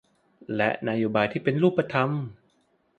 และนโยบายที่เป็นรูปธรรม